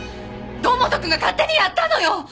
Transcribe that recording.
堂本くんが勝手にやったのよ！